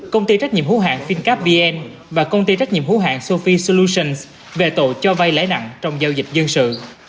công ty trách nhiệm hữu hạng fincap vn và công ty trách nhiệm hữu hạng sophie solutions về tội cho vay lãi nặng trong giao dịch dân sự